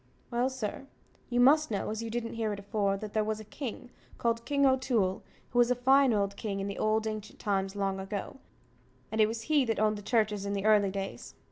Well, sir, you must know, as you didn't hear it afore, that there was a king, called King O'Toole, who was a fine old king in the old ancient times, long ago; and it was he that owned the churches in the early days.